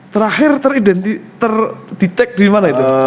terakhir teridenti terdetek dari mana itu